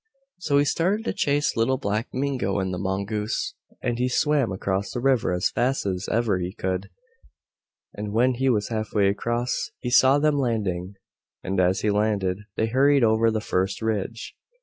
So he started to chase Little Black Mingo and the Mongoose, and he swam across the river as fast as ever he could, and when he was half way across he saw them landing, and as he landed they hurried over the first ridge.